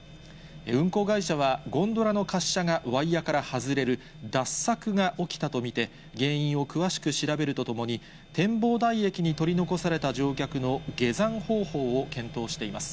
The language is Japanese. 運行会社は、ゴンドラの滑車がワイヤから外れる脱策が起きたと見て、原因を詳しく調べるとともに、展望台駅に取り残された乗客の下山方法を検討しています。